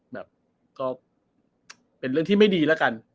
แบบก็เป็นเรื่องที่ไม่ดีแล้วกัน